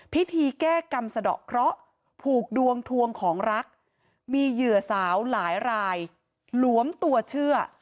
พิธีแก้กรรมสะดอกเคราะห์